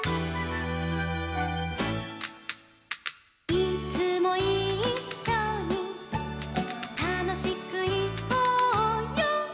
「いつもいっしょにたのしくいこうよ」